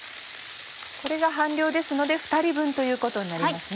これが半量ですので２人分ということになりますね。